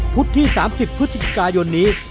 ที่๓๐พฤศจิกายนนี้